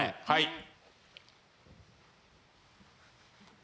はい。